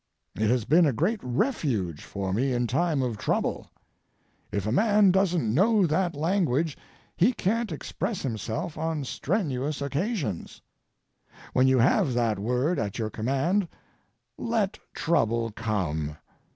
It has been a great refuge for me in time of trouble. If a man doesn't know that language he can't express himself on strenuous occasions. When you have that word at your command let trouble come.